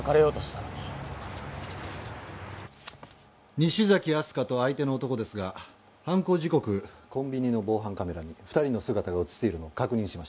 西崎明日香と相手の男ですが犯行時刻コンビニの防犯カメラに２人の姿が映っているのを確認しました。